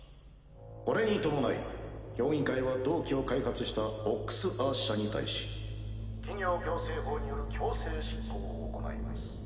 これに伴い評議会は同機を開発した「オックス・アース社」に対し企業行政法による強制執行を行います。